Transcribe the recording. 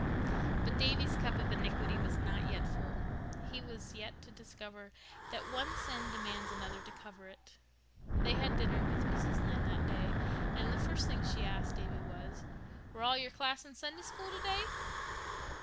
But Davy's cup of iniquity was not yet full. He was to discover that one sin demands another to cover it. They had dinner with Mrs. Lynde that day, and the first thing she asked Davy was, "Were all your class in Sunday School today?"